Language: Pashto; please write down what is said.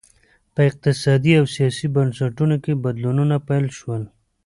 په اقتصادي او سیاسي بنسټونو کې بدلونونه پیل شول